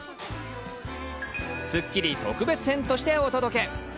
『スッキリ』特別編としてお届け。